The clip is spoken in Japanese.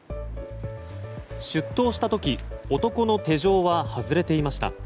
出頭した時男の手錠は外れていました。